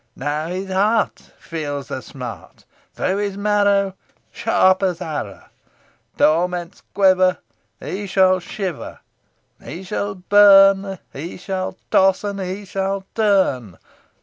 Now his heart, Feels the smart; Through his marrow, Sharp as arrow, Torments quiver He shall shiver, He shall burn, He shall toss, and he shall turn.